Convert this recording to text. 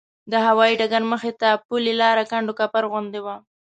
د هوایي ډګر مخې ته پلې لاره کنډوکپر غوندې وه.